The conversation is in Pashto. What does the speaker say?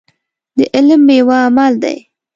د علم ميوه عمل دی.